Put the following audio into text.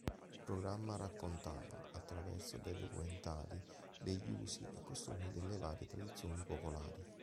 Il programma raccontava, attraverso dei documentari, degli usi e costumi delle varie tradizioni popolari.